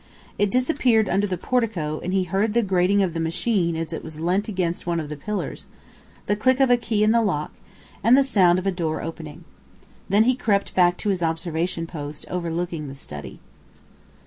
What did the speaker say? It disappeared under the portico and he heard the grating of the machine as it was leant against one of the pillars, the click of a key in the lock and the sound of a door opening. Then he crept back to his observation post overlooking the study.